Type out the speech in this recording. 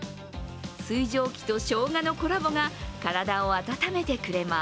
水蒸気としょうがのコラボが体を温めてくれます。